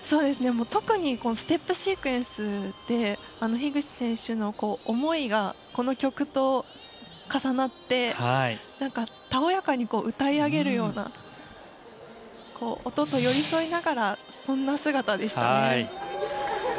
特にステップシークエンスで樋口選手の思いがこの曲と重なってたおやかに歌い上げるような音と寄り添いながらそんな姿でした。